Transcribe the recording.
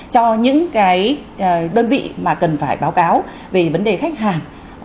cho những cái đơn vị mà cần phải báo cáo về vấn đề khách hàng